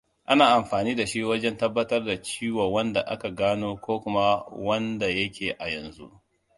Ana amfani dashi wajen tabbatar da ciwo wanda aka gano ko kuma yake ayanzu.